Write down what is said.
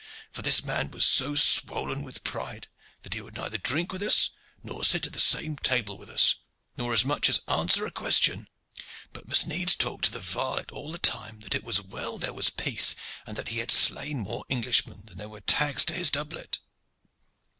For this man was so swollen with pride that he would neither drink with us, nor sit at the same table with us, nor as much as answer a question, but must needs talk to the varlet all the time that it was well there was peace, and that he had slain more Englishmen than there were tags to his doublet.